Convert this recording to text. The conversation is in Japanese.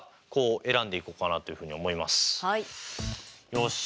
よし。